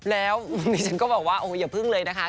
แล้วดิฉันก็บอกว่าโอ้โหอย่าพึ่งเลยนะคะ